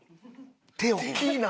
手大きいな！